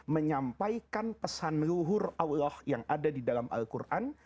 menyampaikan pesan luhur allah yang ada di dalam al quran